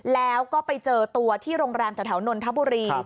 แล้วก็ไปเจอตัวที่โรงแรมแถวนนทบุรี